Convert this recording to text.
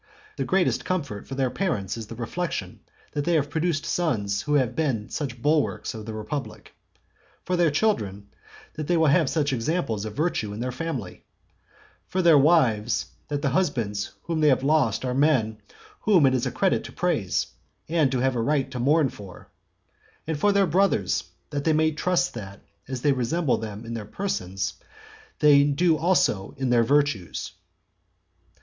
The greatest comfort for their parents is the reflection that they have produced sons who have been such bulwarks of the republic; for their children, that they will have such examples of virtue in their family; for their wives, that the husbands whom they have lost are men whom it is a credit to praise, and to have a right to mourn for; and for their brothers, that they may trust that, as they resemble them in their persons, so they do also in their virtues.